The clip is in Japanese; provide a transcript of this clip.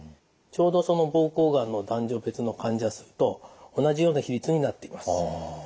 ちょうどその膀胱がんの男女別の患者数と同じような比率になっています。